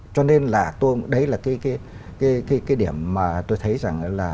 cho nên là đấy là cái điểm mà tôi thấy rằng là